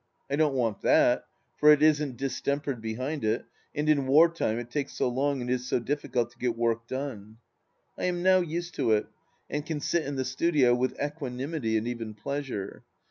I don't want that, for it isn't distempered behind it, and in war time it takes so long and is so difficult to get work done. I am now used to it, and can sit in the studio with equani mity and even pleasure.